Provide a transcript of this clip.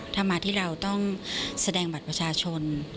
ถ้ามาที่เราต้องแสดงบัตรประชาชน